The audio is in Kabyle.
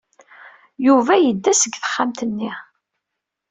Yuba yedda seg texxamt-nni.